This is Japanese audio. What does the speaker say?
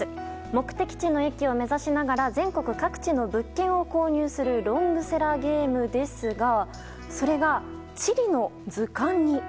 目的地の駅を目指しながら全国各地の物件を購入するロングセラーゲームですがそれが地理の図鑑に。